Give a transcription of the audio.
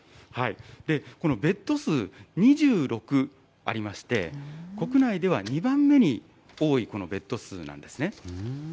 このベッド数２６ありまして、国内では２番目に多いこのベッド数なんですね。